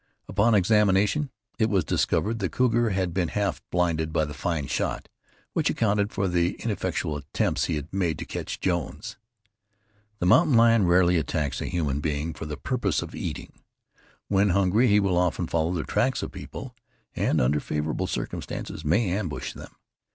Upon examination, it was discovered the cougar had been half blinded by the fine shot, which accounted for the ineffectual attempts he had made to catch Jones. The mountain lion rarely attacks a human being for the purpose of eating. When hungry he will often follow the tracks of people, and under favorable circumstances may ambush them.